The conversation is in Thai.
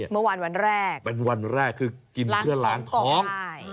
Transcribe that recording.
เมื่อวานวันแรกเป็นวันแรกคือกินเพื่อล้างท้อง